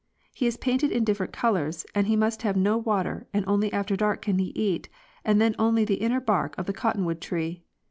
He is painted in different colors, and he must have no water, and only after dark can he eat, and then only the inner bark of the cotton wood tree.